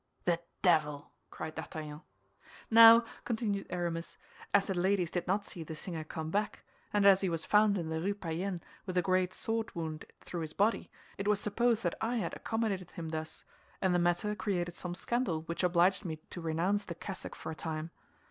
"The devil!" cried D'Artagnan. "Now," continued Aramis, "as the ladies did not see the singer come back, and as he was found in the Rue Payenne with a great sword wound through his body, it was supposed that I had accommodated him thus; and the matter created some scandal which obliged me to renounce the cassock for a time.